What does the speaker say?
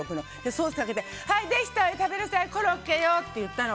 ソースかけてできたよ、食べなさいコロッケよって言ったの。